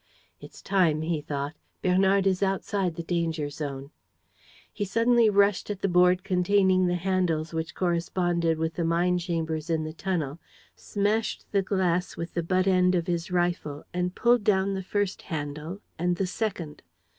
"It's time," he thought. "Bernard is outside the danger zone." He suddenly rushed at the board containing the handles which corresponded with the mine chambers in the tunnel, smashed the glass with the butt end of his rifle and pulled down the first handle and the second.